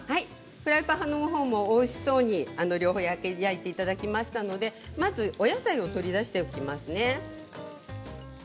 フライパンの方もおいしそうに両方焼いていただきましたのでまずお野菜を取り出しておきますね。